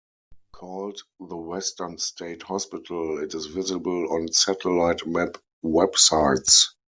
Called the Western State Hospital, it is visible on satellite map websites.